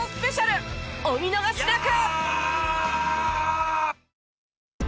お見逃しなく！